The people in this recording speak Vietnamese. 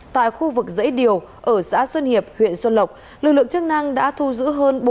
tại khu vực dãy điều ở xã xuân hiệp huyện xuân lộc lực lượng chức năng đã thu giữ hơn